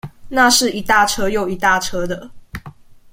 那是一大車又一大車的